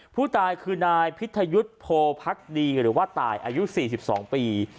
ผู้ตายคือนายพิทยุทธ์โพพักดีหรือว่าตายอายุ๔๒ปี